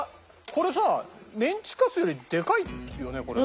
これさメンチカツよりでかいよねこれ。